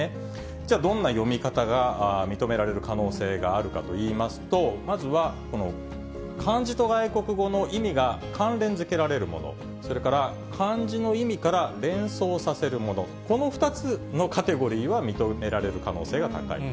じゃあ、どんな読み方が認められる可能性があるかといいますと、まずはこの漢字と外国語の意味が関連づけられるもの、それから漢字の意味から連想させるもの、この２つのカテゴリーは認められる可能性が高いと。